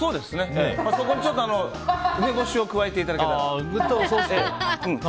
そこにちょっと梅干しを加えていただけたら。